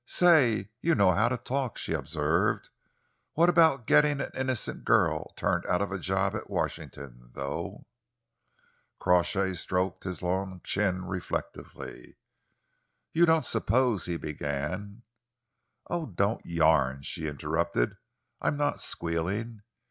"Say, you know how to talk!" she observed. "What about getting an innocent girl turned out of a job at Washington, though?" Crawshay stroked his long chin reflectively. "You don't suppose," he began "Oh, don't yarn!" she interrupted. "I'm not squealing.